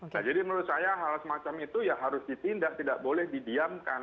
nah jadi menurut saya hal semacam itu ya harus ditindak tidak boleh didiamkan